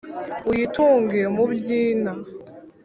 uyitunge mu bwina,